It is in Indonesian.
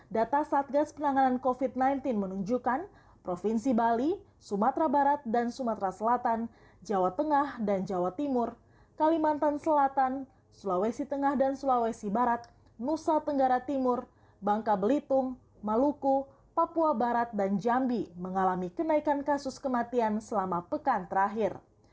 data satgas penanganan covid sembilan belas menunjukkan provinsi bali sumatera barat dan sumatera selatan jawa tengah dan jawa timur kalimantan selatan sulawesi tengah dan sulawesi barat nusa tenggara timur bangka belitung maluku papua barat dan jambi mengalami kenaikan kasus kematian selama pekan terakhir